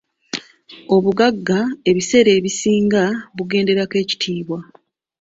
Obugagga ebiseera ebisinga bugenderako ekitiibwa.